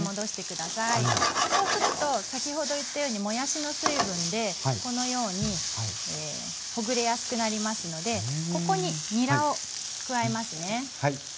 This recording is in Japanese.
そうすると先ほど言ったようにもやしの水分でこのようにほぐれやすくなりますのでここににらを加えますね。